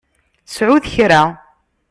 Sɛut kra.